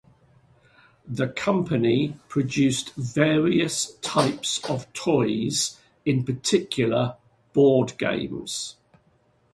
The company produced various types of toys, in particular board games.